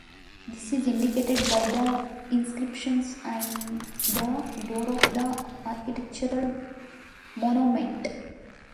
This is indicated by the inscription on the door of the architectural monument.